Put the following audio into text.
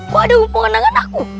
kok ada hubungan dengan aku